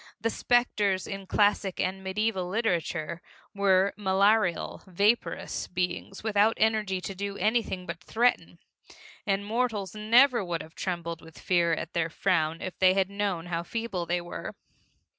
The specters in classic and medieval literature were malarial, vaporous beings without energy to do anything but threaten, and mortals never would have trembled with fear at their frown if they had known how feeble they were.